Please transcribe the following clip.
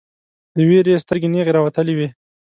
له ویرې یې سترګې نیغې راوتلې وې